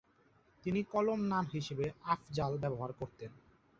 তিনি কলম নাম হিসেবে "আফজাল" ব্যবহার করতেন।